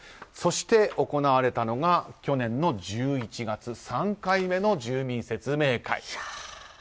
そして、行われたのが去年１１月３回目の住民説明会。